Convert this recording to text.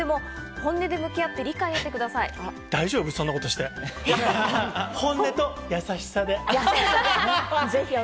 本音と優しさで。